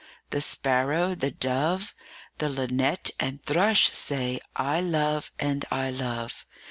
The Sparrow, the Dove, The Linnet and Thrush say, 'I love and I love!'